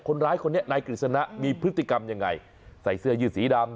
คนร้ายคนนี้นายกฤษณะมีพฤติกรรมยังไงใส่เสื้อยืดสีดำ